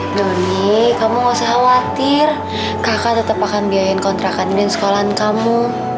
doni kamu gak usah khawatir kakak tetap akan biayain kontrakan dengan sekolahan kamu